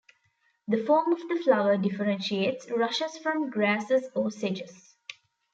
The form of the flower differentiates rushes from grasses or sedges.